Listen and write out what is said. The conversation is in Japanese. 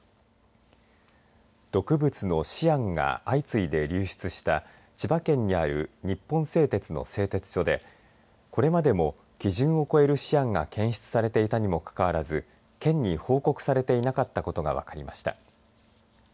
毒物のシアンが相次いで流出した千葉県にある日本製鉄の製鉄所でこれまでも基準を超えるシアンが検出されていたにもかかわらず県に報告されていなかったことが分かりました。